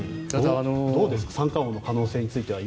どうですか三冠王の可能性については。